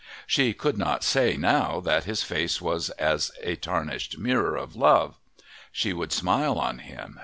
She could not say now that his face was as a tarnished mirror of love. She would smile on him.